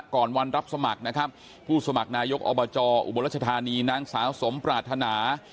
ก่อนวันรับสมัครนะครับผู้สมัครนายกอบจอุบลรัชธานีนางสาวสมปรารถนา